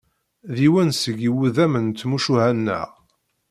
D yiwen seg iwudam n tmucuha-nneɣ.